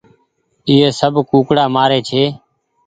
ايئي سب ڪوُڪڙآ مآري ڇي